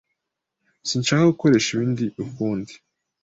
Sinshaka gukoresha ibi ukundi.